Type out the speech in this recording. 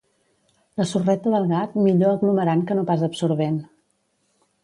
La sorreta del gat millor aglomerant que no pas absorvent.